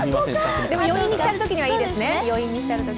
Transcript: でも余韻に浸るときにはいいですね。